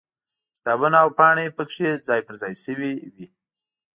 کتابونه او پاڼې پکې ځای پر ځای شوي وي.